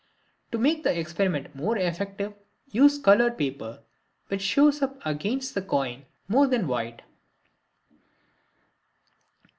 To make the experiment more effective, use colored paper, which shows up against the coin more than white.